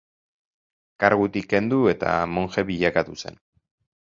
Kargutik kendu eta monje bilakatu zen.